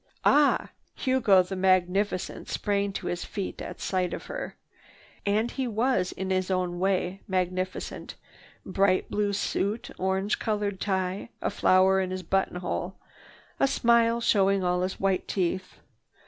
"Ah!" Hugo, the magnificent, sprang to his feet at sight of her. And he was, in his own way, magnificent,—bright blue suit, orange colored tie, a flower in his buttonhole, a smile showing all his white teeth.